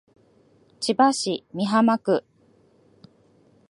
千葉市美浜区